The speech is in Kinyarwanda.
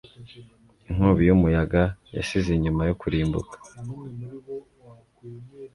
Inkubi y'umuyaga yasize inyuma yo kurimbuka.